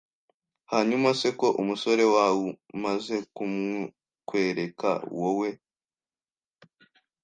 Hanyuma se ko umusore wau maze kumukwereka wowe